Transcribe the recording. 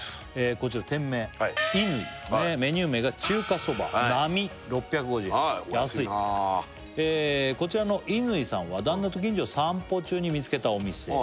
こちら店名いぬいメニュー名が中華そば並６５０円安いお安いなこちらのいぬいさんは「旦那と近所を散歩中に見つけたお店」